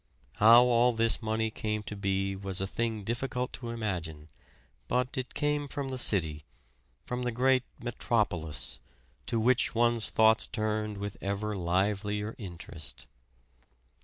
How all this money came to be was a thing difficult to imagine; but it came from the city from the great Metropolis, to which one's thoughts turned with ever livelier interest.